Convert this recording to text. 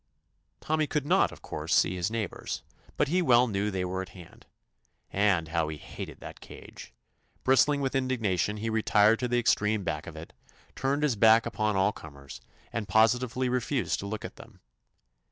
Tommy could not, of course, see his neighbors, but he well knew they were at hand. And how he hated that cage I Bristling with indigna tion, he retired to the extreme back of it, turned his back upon all comers, and positively refused to look at them.